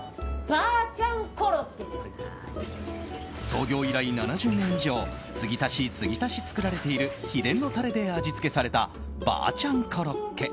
創業以来７０年以上継ぎ足し継ぎ足し作られている秘伝のタレで味付けされたばぁちゃんコロッケ。